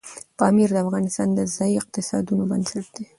پامیر د افغانستان د ځایي اقتصادونو بنسټ دی.